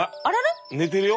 寝てるよ！